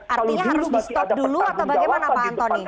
artinya harus di stop dulu atau bagaimana pak antoni